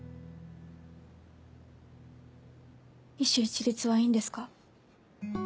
医手一律はいいんですか？